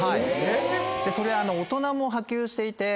それ大人も波及していて。